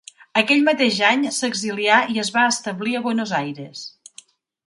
Aquell mateix any s'exilià i es va establir a Buenos Aires.